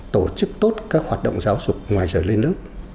tổ chức tốt các hoạt động giáo dục ngoài giờ lên lớp